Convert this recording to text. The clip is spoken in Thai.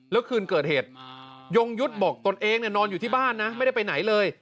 แล้วคืนเกิดเหตุยงยุทธ์บอกตนเองนอนอยู่ที่บ้านนะไม่ได้ไปไหนเลย